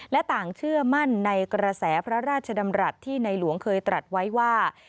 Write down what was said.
และต่างเชื่อมั่นในกระแสพระราชดำรัฐที่ในหลวงเคยตรัสไว้ว่า